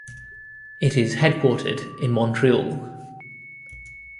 It is headquartered in Montreal.